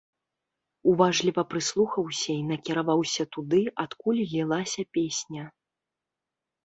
Уважліва прыслухаўся і накіраваўся туды, адкуль лілася песня.